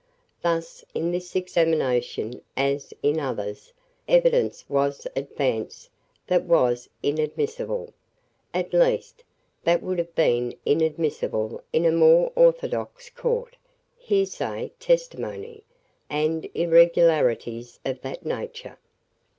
Thus, in this examination, as in others, evidence was advanced that was inadmissible at least, that would have been inadmissible in a more orthodox court hearsay testimony, and irregularities of that nature.